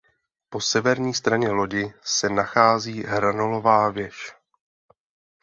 Po severní straně lodi se nachází hranolová věž.